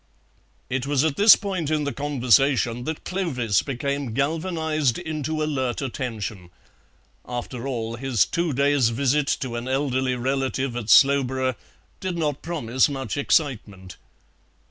It was at this point in the conversation that Clovis became galvanized into alert attention. After all, his two days' visit to an elderly relative at Slowborough did not promise much excitement.